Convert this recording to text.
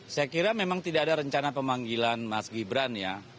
saya kira memang tidak ada rencana pemanggilan mas gibran ya